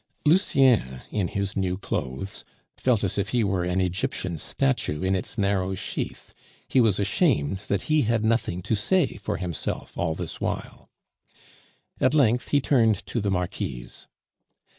Lucien in his new clothes felt as if he were an Egyptian statue in its narrow sheath; he was ashamed that he had nothing to say for himself all this while. At length he turned to the Marquise.